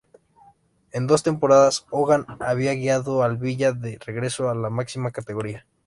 En dos temporadas, Hogan había guiado al Villa de regreso a la máxima categoría.